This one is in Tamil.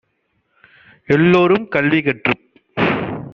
எல்லோரும் கல்வி கற்றுப்